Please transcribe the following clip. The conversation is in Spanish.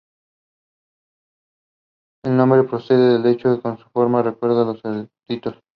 El nombre procede del hecho de que su forma recuerda a cerditos.